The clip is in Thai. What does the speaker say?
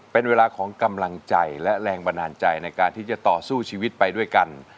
เป็นเวลาของกำลังใจและแรงบันดาลใจในการที่จะต่อสู้ชีวิตไปด้วยกัน